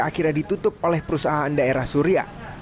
akhirnya ditutup oleh perusahaan daerah surya